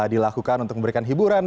dilakukan untuk memberikan hiburan